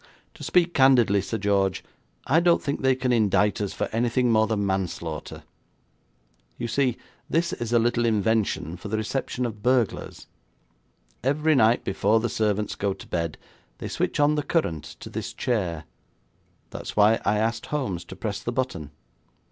To speak candidly, Sir George, I don't think they can indite us for anything more than manslaughter. You see, this is a little invention for the reception of burglars. Every night before the servants go to bed, they switch on the current to this chair. That's why I asked Holmes to press the button.